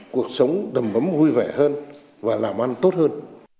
cuộc sống đầm bấm vui vẻ hơn và làm ăn tốt hơn